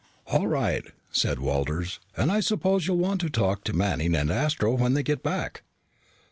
"All right," said Walters. "And I suppose you'll want to talk to Manning and Astro when they get back."